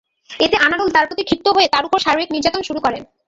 এতে আনারুল তাঁর প্রতি ক্ষিপ্ত হয়ে তাঁর ওপর শারীরিক নির্যাতন শুরু করেন।